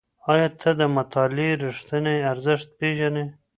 ایا ته د مطالعې ریښتینی ارزښت پېژنې؟